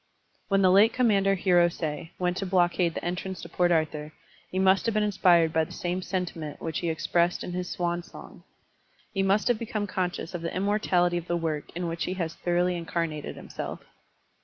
When the late commander Hiros6 went to blockade the entrance to Port Arthur, he must have been inspired by the same sentiment which he expressed in his swan song; he must have become conscious of the immortality of the work in which he has thoroughly incarnated himself.